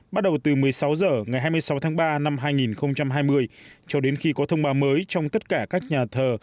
bắt đầu từ một mươi sáu h ngày hai mươi sáu tháng ba năm hai nghìn hai mươi cho đến khi có thông báo mới trong tất cả các nhà thờ